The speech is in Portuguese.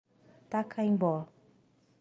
Tacaimbó